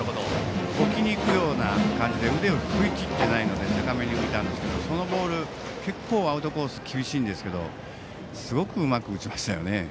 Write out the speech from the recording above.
置きにいくような感じで腕を振りきっていないので高めに浮いたんですけどそのボール、結構アウトコースが厳しかったですけどうまく打ちましたね。